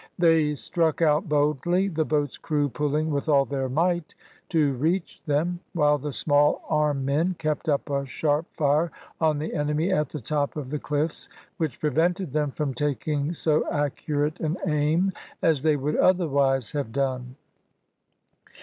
They struck out boldly, the boat's crew pulling with all their might to reach them, while the small arm men kept up a sharp fire on the enemy at the top of the cliffs, which prevented them from taking so accurate an aim as they would otherwise have done.